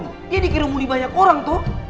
dia dikira muli banyak orang tuh